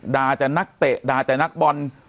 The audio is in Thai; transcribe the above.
ด่าแต่นักเตะด่าแต่นักบอล